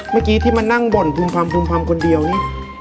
เมื่อกี้ที่มานั่งบ่นภูมิภัมภูมิภัมคนเดียวนี่